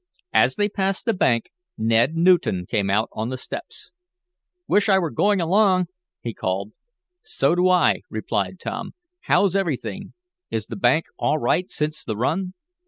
As they passed the bank, Ned Newton came out on the steps. "Wish I was going along," he called. "So do I," replied Tom. "How's everything? Is the bank all right since the run?"